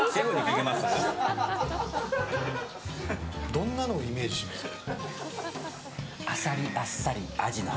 どんなのをイメージしますか？